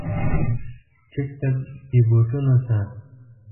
چک ته بې بوټونو شه.